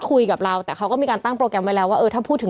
เพื่อไม่ให้เชื้อมันกระจายหรือว่าขยายตัวเพิ่มมากขึ้น